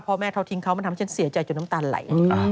พ่อแม่เขาทิ้งเขามันทำให้ฉันเสียใจจนน้ำตาลไหล